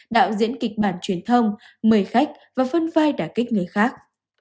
đạo diễn kịch bản truyền thông mời khách và phân vai đã kích người khác